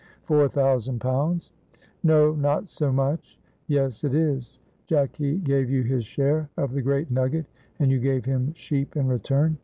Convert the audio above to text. "Four thousand pounds." "No, not so much." "Yes, it is. Jacky gave you his share of the great nugget, and you gave him sheep in return.